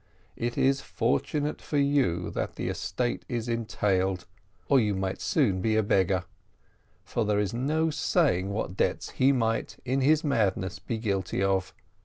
It is fortunate for you that the estate is entailed, or you might soon be a beggar, for there is no saying what debts he might, in his madness, be guilty of.